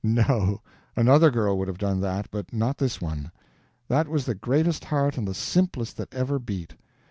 No; another girl would have done that, but not this one. That was the greatest heart and the simplest that ever beat.